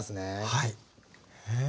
はい。